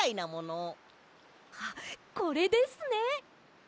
あっこれですね！